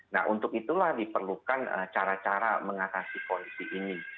nah untuk itulah diperlukan cara cara mengatasi kondisi ini